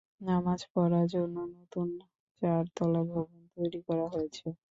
নামাজ পড়ার জন্য নতুন চারতলা ভবন তৈরি করা হয়েছে।